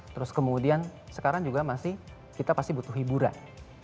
terus kemudian sekarang juga masih kita pasti butuh hiburan